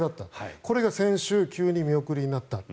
これが先週急に見送りになった。